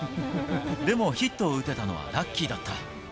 でもヒットを打てたのはラッキーだった。